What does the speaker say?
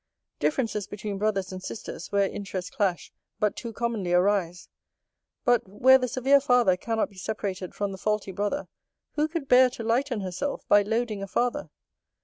Differences between brothers and sisters, where interests clash, but too commonly arise: but, where the severe father cannot be separated from the faulty brother, who could bear to lighten herself, by loading a father?